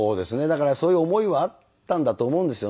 だからそういう思いはあったんだと思うんですよね。